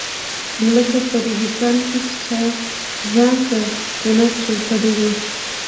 لکه په ریګستان کې چا ځان ته جنت جوړ کړی وي.